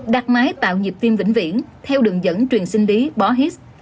đặt máy tạo nhịp tim vĩnh viễn theo đường dẫn truyền sinh lý borhis